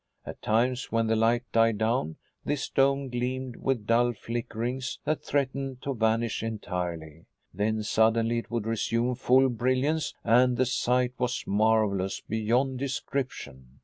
At times, when the light died down, this dome gleamed with dull flickerings that threatened to vanish entirely. Then suddenly it would resume full brilliance, and the sight was marvelous beyond description.